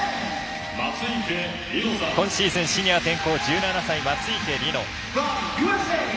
今シーズン、シニア転向１７歳、松生理乃。